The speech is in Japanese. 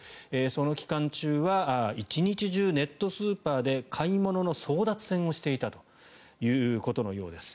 その期間中は１日中ネットスーパーで買い物の争奪戦をしていたということのようです。